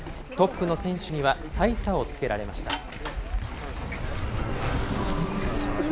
トップの選手には大差をつけられました。